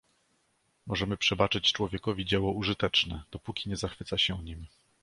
Możemy przebaczyć człowiekowi dzieło użyteczne, dopóki nie zachwyca się nim.